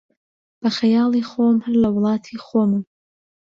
بە خەیاڵی خۆم، هەر لە وڵاتی خۆمم